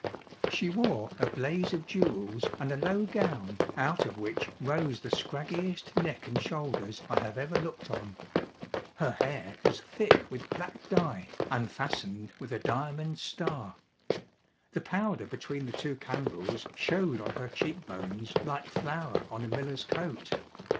She wore a blaze of jewels and a low gown out of which rose the scraggiest neck and shoulders I have ever looked on. Her hair was thick with black dye and fastened with a diamond star. The powder between the two candles showed on her cheek bones like flour on a miller's coat.